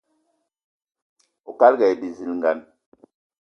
Oukalga aye bizilgan.